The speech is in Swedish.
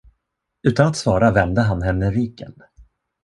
Utan att svara vände han henne ryggen.